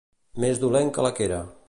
Més dolent que la quera.